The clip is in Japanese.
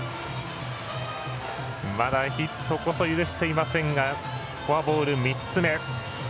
まだヒットこそ許していませんがフォアボール、３つ目。